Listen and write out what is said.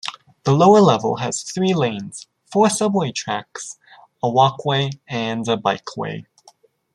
The lower level has three lanes, four subway tracks, a walkway and a bikeway.